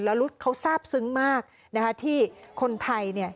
แล้วเขาทราบซึ้งมากนะคะที่คนไทยเนี่ย